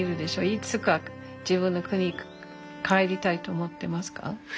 いつか自分の国に帰りたいと思ってますか？